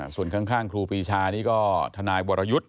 ส่วนข้างครูปีชานี่ก็ทนายวรยุทธ์